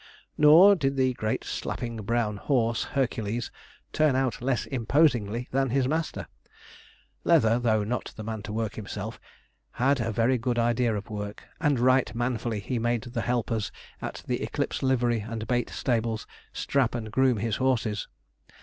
Nor did the great slapping brown horse, Hercules, turn out less imposingly than his master. Leather, though not the man to work himself, had a very good idea of work, and right manfully he made the helpers at the Eclipse livery and bait stables strap and groom his horses.